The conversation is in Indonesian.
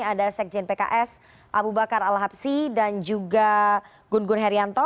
ada sekjen pks abu bakar al habsi dan juga gun gun herianto